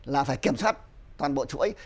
là phải kiểm soát toàn bộ chuỗi